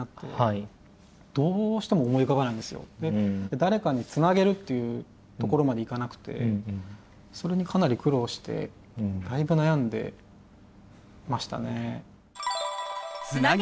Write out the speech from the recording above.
誰かにつなげるっていうところまでいかなくてそれにかなり苦労してだいぶ悩んでましたね。